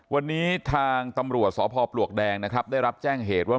วันนี้ทางตำรวจสพปลวกแดงนะครับได้รับแจ้งเหตุว่า